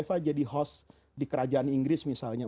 kalau mbak eva jadi host di kerajaan inggris misalnya